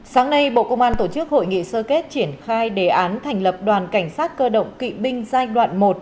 sáng nay bộ công an tổ chức hội nghị sơ kết triển khai đề án thành lập đoàn cảnh sát cơ động kỵ binh giai đoạn một